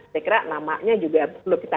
saya kira namanya juga perlu kita